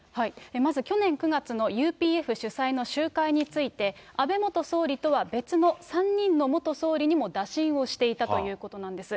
まず去年９月のＵＰＦ主催の集会について、安倍元総理とは別の３人の元総理にも打診をしていたということなんです。